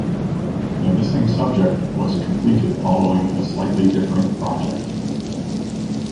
The (missing subject) was completed following a slightly different project.